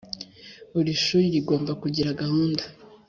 Buri shuri rigomba kugira gahunda